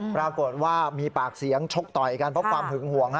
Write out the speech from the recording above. ปรากฏว่ามีปากเสียงชกต่อยกันเพราะความหึงห่วง